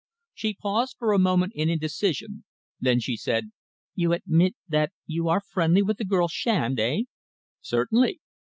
She paused for a moment in indecision. Then she said: "You admit that you are friendly with the girl Shand eh?" "Certainly."